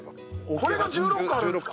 これが１６あるんですか。